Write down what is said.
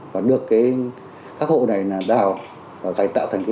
và được các hồ này đào và cải tạo thành cái